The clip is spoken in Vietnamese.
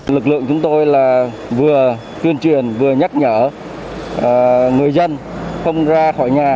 lực lượng chúng tôi là vừa tuyên truyền vừa nhắc nhở người dân không ra khỏi nhà